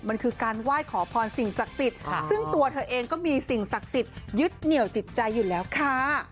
มันคือการไหว้ขอพรสิ่งศักดิ์สิทธิ์ซึ่งตัวเธอเองก็มีสิ่งศักดิ์สิทธิ์ยึดเหนี่ยวจิตใจอยู่แล้วค่ะ